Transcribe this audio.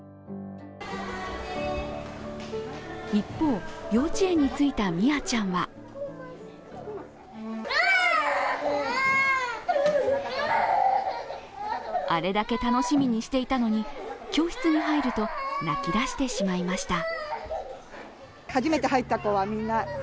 一方、幼稚園に着いたミアちゃんはあれだけ楽しみにしていたのに、教室に入ると泣きだしてしまいました。